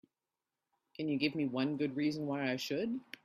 Can you give me one good reason why I should?